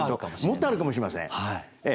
もっとあるかもしれません。